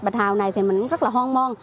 bạch hầu này mình rất là hôn môn